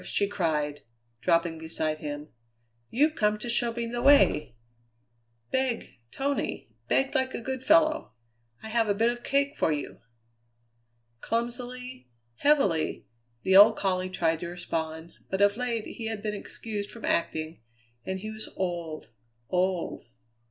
she cried, dropping beside him; "You've come to show me the way. Beg, Tony, beg like a good fellow. I have a bit of cake for you!" Clumsily, heavily, the old collie tried to respond, but of late he had been excused from acting; and he was old, old.